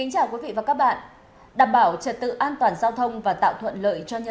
cảm ơn quý vị và các bạn đã theo dõi